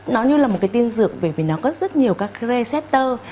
nó như là một cái tiên dược vì nó có rất nhiều các receptor